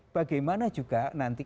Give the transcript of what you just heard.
bagaimana juga nanti